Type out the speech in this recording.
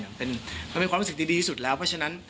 มันเป็นความรู้สึกดีที่สุดแล้วเพราะฉะนั้น